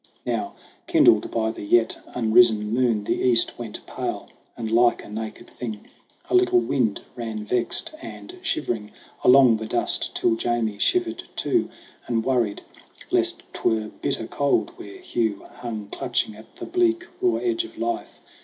Now kindled by the yet unrisen moon, The East went pale; and like a naked thing A little wind ran vexed and shivering Along the dusk, till Jamie shivered too And worried lest 'twere bitter cold where Hugh Hung clutching at the bleak, raw edge of life.